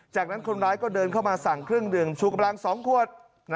จากนั้นคนร้ายก็เดินเข้ามาสั่งเครื่องดื่มชูกำลัง๒ขวด